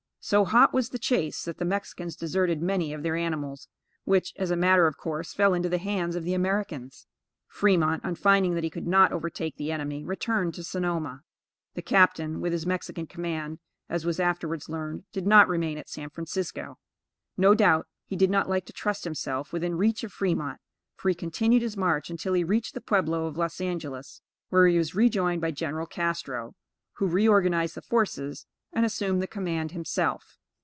So hot was the chase, that the Mexicans deserted many of their animals, which, as a matter of course, fell into the hands of the Americans. Fremont, on finding that he could not overtake the enemy, returned to Sonoma. The captain, with his Mexican command, as was afterwards learned, did not remain at San Francisco. No doubt he did not like to trust himself within reach of Fremont, for he continued his march until he reached the Pueblo of Los Angelos, where he was rejoined by General Castro, who reorganized the forces and assumed the command himself.